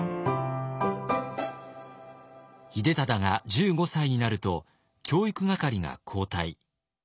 秀忠が１５歳になると教育係が交代。